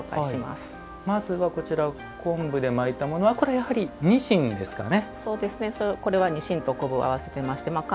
まずは、こちら昆布で巻いたものはこれは、やはり、にしんですかね。